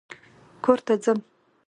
کور ته ځم